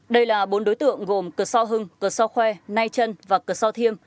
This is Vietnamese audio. đây là bốn đối tượng gồm cờ so hưng cờ so khoe nay trân và cờ so thiêm